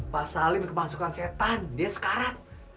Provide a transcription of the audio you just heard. pak salim kemasukan setan dia sekarat